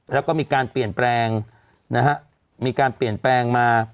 แล้วก็มีการเปลี่ยนแปลงนะฮะมีการเปลี่ยนแปลงมา